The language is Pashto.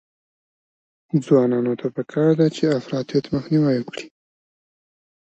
ځوانانو ته پکار ده چې، افراطیت مخنیوی وکړي.